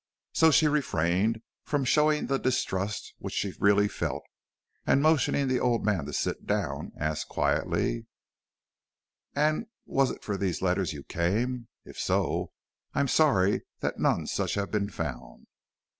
So she refrained from showing the distrust which she really felt, and motioning the old man to sit down, asked, quietly: "And was it for these letters you came? If so, I am sorry that none such have been found."